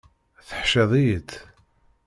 Teḥciḍ-iyi-tt.